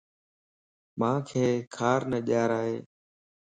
مانک کار نه ڄارائي